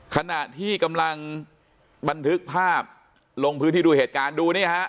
ขณะที่กำลังบันทึกภาพลงพื้นที่ดูเหตุการณ์ดูนี่ฮะ